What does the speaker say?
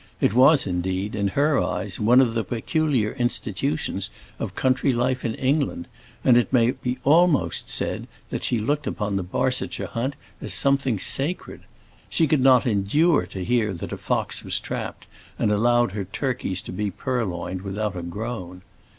It was, indeed, in her eyes one of the peculiar institutions of country life in England, and it may be almost said that she looked upon the Barsetshire hunt as something sacred. She could not endure to hear that a fox was trapped, and allowed her turkeys to be purloined without a groan.